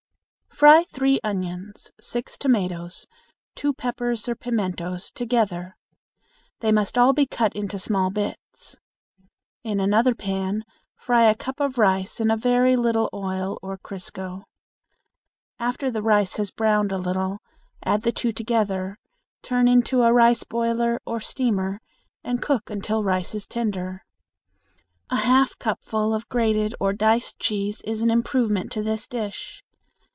Fry 3 onions, 6 tomatoes, 2 peppers or pimentos together. They must all be cut into small bits. In another pan fry a cup of rice in a very little oil or crisco. After the rice has browned a little, add the two together, turn into a rice boiler or steamer and cook until rice is tender. A half cupful of grated or diced cheese is an improvement to this dish.